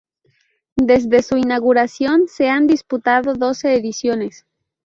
Desde su inauguración, se han disputado doce ediciones.